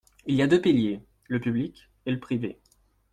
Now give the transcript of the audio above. Il y a deux piliers, le public et le privé.